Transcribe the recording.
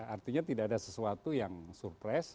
artinya tidak ada sesuatu yang surprise